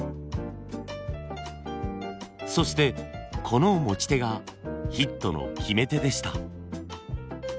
そしてこの持ち手がヒットの決め手でした。